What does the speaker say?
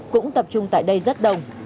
cũng tập trung tại đây rất đông